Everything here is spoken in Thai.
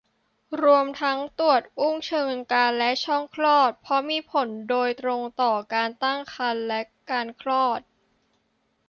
รวมทั้งตรวจอุ้งเชิงกรานและช่องคลอด เพราะมีผลโดยตรงต่อการตั้งครรภ์และการคลอด